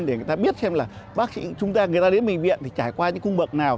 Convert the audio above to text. để người ta biết xem là bác sĩ chúng ta người ta đến bệnh viện thì trải qua những cung bậc nào